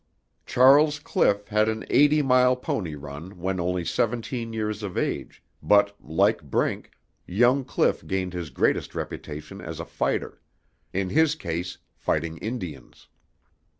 Charles Cliff had an eighty mile pony run when only seventeen years of age, but, like Brink, young Cliff gained his greatest reputation as a fighter, in his case fighting Indians.